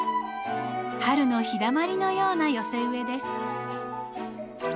春の日だまりのような寄せ植えです。